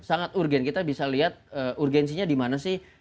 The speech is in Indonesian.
sangat urgen kita bisa lihat urgensinya di mana sih